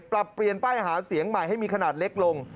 ปรับเปลี่ยนป้ายหาเสียงใหม่ให้มีขนาดเล็กลง